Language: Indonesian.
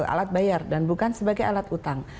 alat bayar dan bukan sebagai alat utang